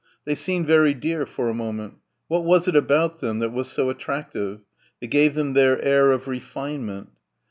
They seemed very dear for a moment ... what was it about them that was so attractive ... that gave them their air of "refinement"?...